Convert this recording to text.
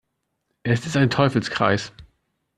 Es ist ein Teufelskreis.